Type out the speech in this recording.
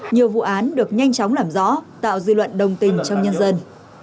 nhiều vụ án được nhanh chóng làm rõ tạo dư luận đồng tình trong nhân dân